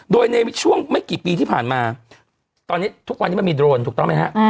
โดยในช่วงไม่กี่ปีที่ผ่านมาตอนนี้ทุกวันนี้มันมีโดรนถูกต้องไหมฮะ